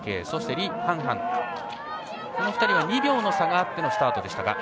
そして、李はんはんの２人は２秒の差があってのスタートでした。